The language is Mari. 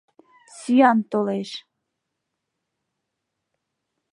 Сӱан толеш!